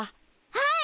はい！